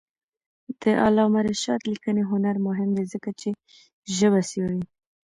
د علامه رشاد لیکنی هنر مهم دی ځکه چې ژبه څېړي.